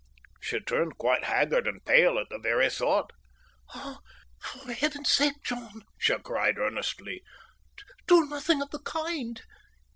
She turned quite haggard and pale at the very thought. "For Heaven's sake, John," she cried earnestly, "do nothing of the kind.